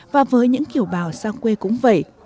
và với những kiểu bào sang quê cũng vậy